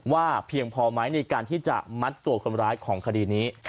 เพียงพอไหมในการที่จะมัดตัวคนร้ายของคดีนี้